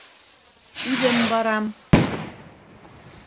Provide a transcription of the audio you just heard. - Үҙем барам.